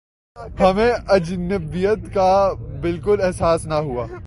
ہمیں اجنبیت کا بالکل احساس نہ ہوا